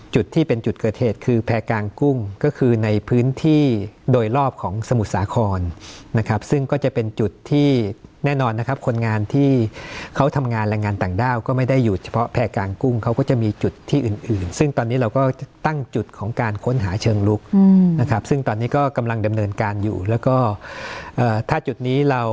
จุดที่เป็นจุดเกิดเหตุคือแพร่กลางกุ้งก็คือในพื้นที่โดยรอบของสมุทรสาครนะครับซึ่งก็จะเป็นจุดที่แน่นอนนะครับคนงานที่เขาทำงานแรงงานต่างด้าวก็ไม่ได้อยู่เฉพาะแพร่กลางกุ้งเขาก็จะมีจุดที่อื่นอื่นซึ่งตอนนี้เราก็ตั้งจุดของการค้นหาเชิงลุกนะครับซึ่งตอนนี้ก็กำลังดำเนินการอยู่แล้วก็ถ้าจุดนี้เรา